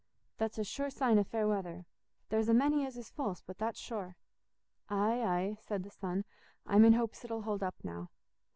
That's a sure sign o' fair weather—there's a many as is false but that's sure." "Aye, aye," said the son, "I'm in hopes it'll hold up now."